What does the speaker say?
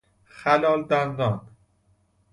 خلال دندان